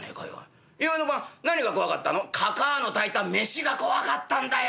「かかあの炊いた飯がこわかったんだよ。